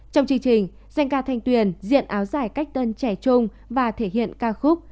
trong chương trình danh ca thanh tuyền diện áo giải cách tân trẻ trung và thể hiện ca khúc